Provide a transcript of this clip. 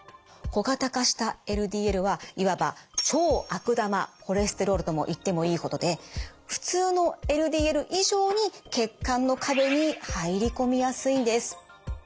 小型化したＬＤＬはいわば超悪玉コレステロールとも言ってもいいほどで普通のＬＤＬ以上に血管の壁に入り込みやすいんです。